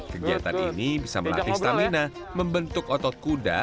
kegiatan ini bisa melatih stamina membentuk otot kuda